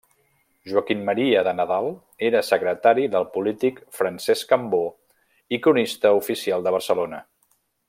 Joaquim Maria de Nadal, era secretari del polític Francesc Cambó i cronista oficial de Barcelona.